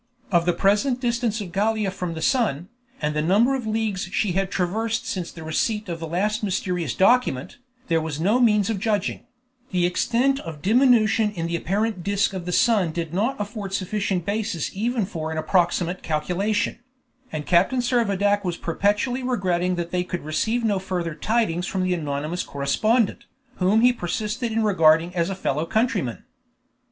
Of the present distance of Gallia from the sun, and the number of leagues she had traversed since the receipt of the last mysterious document, there were no means of judging; the extent of diminution in the apparent disc of the sun did not afford sufficient basis even for an approximate calculation; and Captain Servadac was perpetually regretting that they could receive no further tidings from the anonymous correspondent, whom he persisted in regarding as a fellow countryman.